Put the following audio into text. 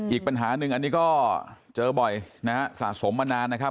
อีกปัญหาหนึ่งอันนี้ก็เจอบ่อยนะฮะสะสมมานานนะครับ